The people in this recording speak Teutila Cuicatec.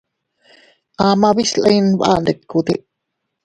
Amaa bislin baʼandikute.